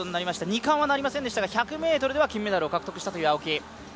２冠はなりませんでしたが、１００ｍでは金メダルを獲得したという青木。